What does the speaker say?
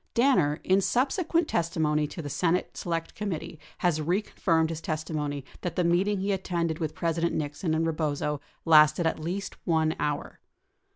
45 Danner, in subsequent testimony to the Senate Select Committee, has reconfirmed his testimony that the meeting he attended with Presi dent Nixon and Rebozo lasted at least 1 hour.